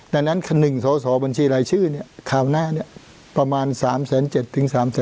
ดังนั้นหนึ่งสอสอบัญชีรายชื่อนี่คราวหน้าเนี่ยประมาณ๓๗๓๘บาท